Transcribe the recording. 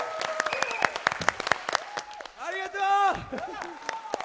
ありがとう！